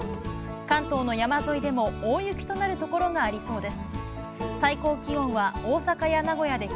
関東の山沿いでも大雪となる所がありそうです。